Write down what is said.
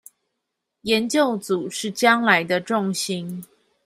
研究組是將來的重心